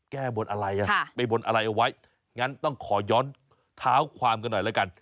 แก้บนอะไรอ่ะไปบนอะไรเอาไว้งั้นต้องขอย้อนเท้าความกันหน่อยแล้วกัน